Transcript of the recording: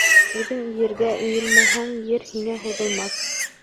Үҙең ергә эйелмәһәң, ер һиңә һуҙылмаҫ.